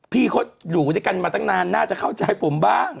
พี่เขาอยู่ด้วยกันมาตั้งนานน่าจะเข้าใจผมบ้าง